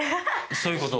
そういうこと。